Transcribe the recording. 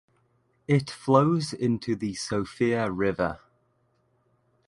It flows into the Sofia River.